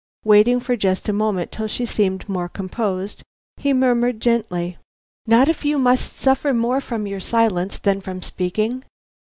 Waiting for just a moment till she seemed more composed, he murmured gently: "Not if you must suffer more from your silence than from speaking?